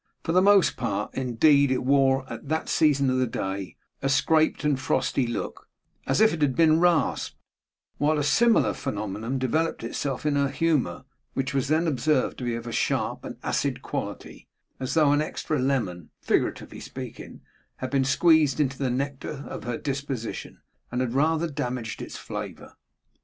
For the most part, indeed, it wore, at that season of the day, a scraped and frosty look, as if it had been rasped; while a similar phenomenon developed itself in her humour, which was then observed to be of a sharp and acid quality, as though an extra lemon (figuratively speaking) had been squeezed into the nectar of her disposition, and had rather damaged its flavour.